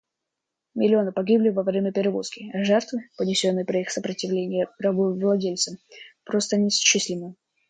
Миллионы погибли во время перевозки, а жертвы, понесенные при их сопротивлении рабовладельцам, просто неисчислимы.